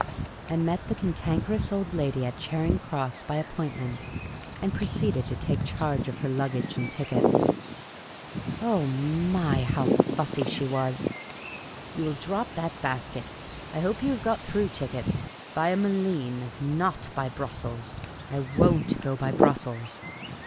I met the Cantankerous Old Lady at Charing Cross, by appointment, and proceeded to take charge of her luggage and tickets. Oh my, how fussy she was !*' You will drop that basket ! I hope you have got through tickets, via Malines, nol by Brussels — I won't go by Bru.ssels.